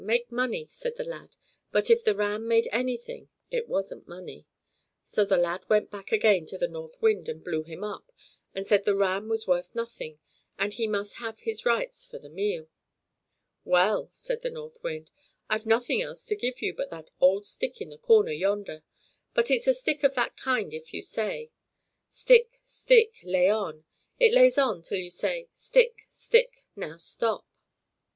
make money!" said the lad; but if the ram made anything it wasn't money. So the lad went back again to the North Wind and blew him up, and said the ram was worth nothing, and he must have his rights for the meal. "Well," said the North Wind; "I've nothing else to give you but that old stick in the corner yonder; but it's a stick of that kind that if you say: "'Stick, stick! lay on!' it lays on till you say: "'Stick, stick! now stop!'"